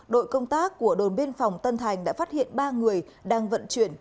đội công tác của đồn biên phòng tân thành đã phát hiện ba người đang vận chuyển